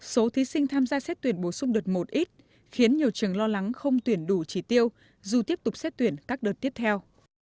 số thí sinh tham gia xét tuyển bổ sung đợt một ít khiến nhiều trường lo lắng không tuyển đủ trị tiêu dù tiếp tục xét tuyển các đợt tiếp theo